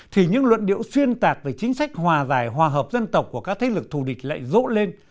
thì những luận điệu xuyên tạc về chính sách hòa giải hòa hợp dân tộc của các thế lực thù địch lại rỗ lên